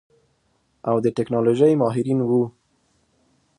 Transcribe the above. او د ټيکنالوژۍ ماهرين وو.